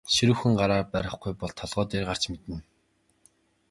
Ширүүхэн гараар барихгүй бол толгой дээр гарч мэднэ.